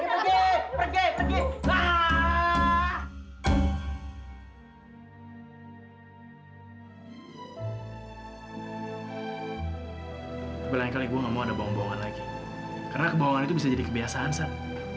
karena bawa bawaan itu bisa jadi kebiasaan saat